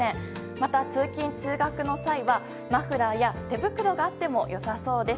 また、通勤・通学の際はマフラーや手袋があっても良さそうです。